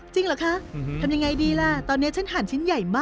จริงเหรอคะทำยังไงดีล่ะตอนนี้ฉันห่านชิ้นใหญ่มาก